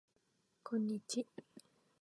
こんにち